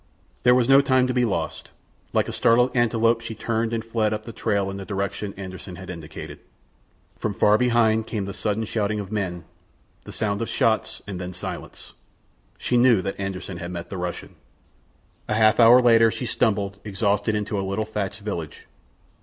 There was no time to be lost. Like a startled antelope she turned and fled up the trail in the direction Anderssen had indicated. From far behind came the sudden shouting of men, the sound of shots, and then silence. She knew that Anderssen had met the Russian. A half hour later she stumbled, exhausted, into a little thatched village.